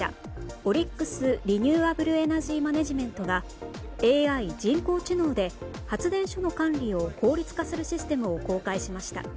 オリックス・リニューアブルエナジー・マネジメントがＡＩ・人工知能で発電所の管理を効率化するシステムを公開しました。